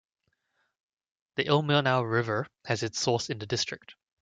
The Ilmenau river has its source in the district.